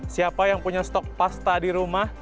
siapa yang punya stok pasta di rumah